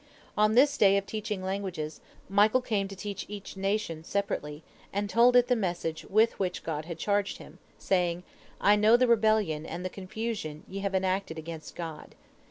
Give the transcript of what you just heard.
On this day of teaching languages, Michael came to each nation separately, and told it the message with which God had charged him, saying: 'I know the rebellion and the confusion ye have enacted against God.